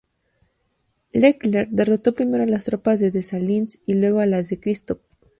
Leclerc derrotó primero a las tropas de Dessalines y luego a las de Christophe.